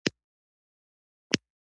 مزد د کار د بدیل قیمت دی.